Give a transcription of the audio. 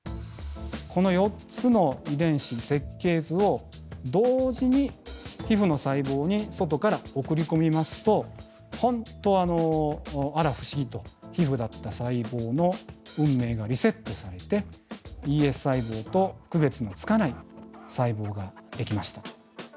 この４つの遺伝子設計図を同時に皮ふの細胞に外から送り込みますと本当あら不思議と皮ふだった細胞の運命がリセットされてＥＳ細胞と区別のつかない細胞ができました。